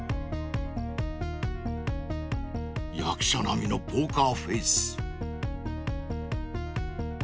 ［役者並みのポーカーフェース］